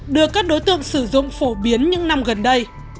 được các đối tượng sử dụng phổ biến những năm gần đây